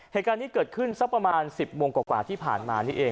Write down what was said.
เหตุการณ์นี้เกิดขึ้นสักประมาณ๑๐โมงกว่าที่ผ่านมานี่เอง